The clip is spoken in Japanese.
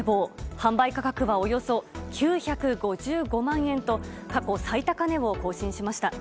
販売価格はおよそ９５５万円と過去最高値を更新しました。